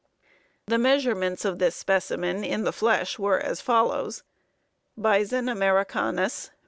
The measurements of this specimen in the flesh were as follows: ++| BISON AMERICANUS.